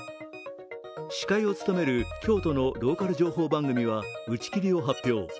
司会を務める京都のローカル情報番組は打ち切りを発表。